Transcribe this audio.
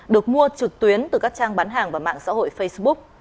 được mua trực tuyến từ các trang bán hàng và mạng xã hội facebook